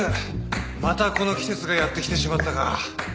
またこの季節がやって来てしまったか。